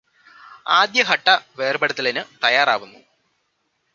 ആദ്യ ഘട്ട വേർപ്പെടുത്തലിനു തയാറാവുന്നു